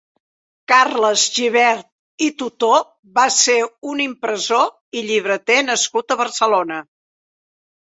Carles Gibert i Tutó va ser un impressor i llibreter nascut a Barcelona.